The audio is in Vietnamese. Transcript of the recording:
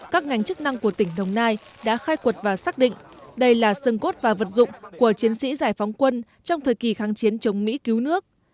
các ngành chức năng của tỉnh đồng nai đã khai quật và xác định đây là sưng cốt và vật dụng của chiến sĩ giải phóng quân trong thời kỳ kháng chiến chống mỹ cứu nước